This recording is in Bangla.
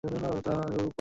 দেখতে পাচ্ছেন আপনারা?